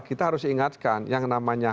kita harus ingatkan yang namanya